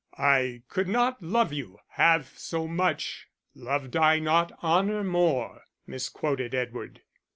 "I could not love you half so much, loved I not honour more," misquoted Edward.